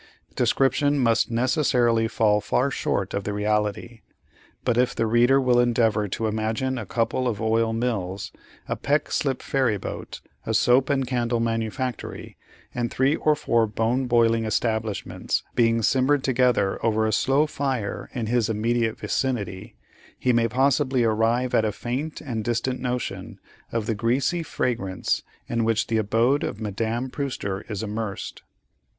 Description must necessarily fall far short of the reality, but if the reader will endeavor to imagine a couple of oil mills, a Peck slip ferry boat, a soap and candle manufactory, and three or four bone boiling establishments being simmered together over a slow fire in his immediate vicinity, he may possibly arrive at a faint and distant notion of the greasy fragrance in which the abode of Madame Prewster is immersed.